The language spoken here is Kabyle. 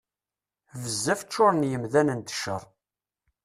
Bezzaf ččuṛen yemdanen d cceṛ.